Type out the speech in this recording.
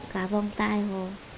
cả vòng tay họ